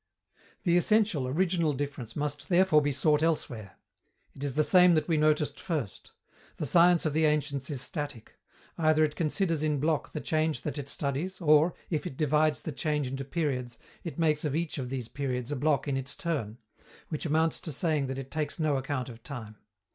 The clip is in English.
The essential, original difference must therefore be sought elsewhere. It is the same that we noticed first. The science of the ancients is static. Either it considers in block the change that it studies, or, if it divides the change into periods, it makes of each of these periods a block in its turn: which amounts to saying that it takes no account of time.